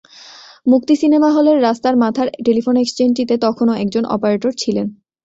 মুক্তি সিনেমা হলের রাস্তার মাথার টেলিফোন এক্সচেঞ্জটিতে তখনো একজন অপারেটর ছিলেন।